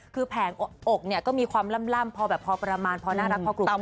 คือแผงอกเนี่ยก็มีความล่ำพอแบบพอประมาณพอน่ารักพอกลุ่ม